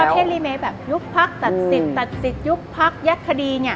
คือประเภทรีเมคแบบยุคพักตัดสิทธิ์ตัดสิทธิ์ยุคพักแยกคดีเนี่ย